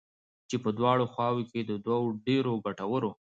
چې په دواړو خواوو كې د دوو ډېرو گټورو